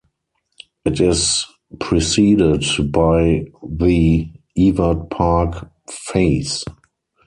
It is preceded by the Ewart Park Phase.